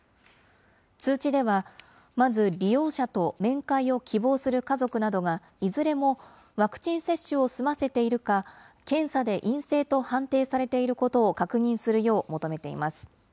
通知では、まず、利用者と面会を希望する家族などが、いずれもワクチン接種を済ませているか、検査で陰性と判定されていることを確認するよう求めています。